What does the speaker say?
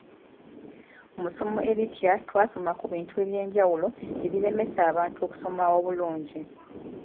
Mu ssomo eryita twasoma ku bintu eby’enjawulo ebiremesa abantu okusoma obulungi.